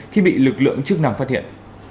khi bị lực lượng chức năng phát hiện